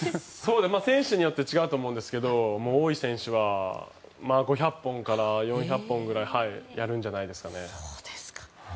選手によって違うと思うんですけど多い選手は５００本から４００本くらいやるんじゃないですかね。